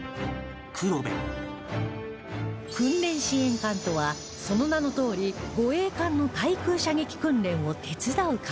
訓練支援艦とはその名のとおり護衛艦の対空射撃訓練を手伝う艦艇